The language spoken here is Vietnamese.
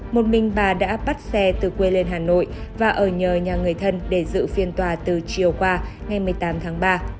một mình bà đã bắt xe từ quê lên hà nội và ở nhờ nhà người thân để dự phiên tòa từ chiều qua ngày một mươi tám tháng ba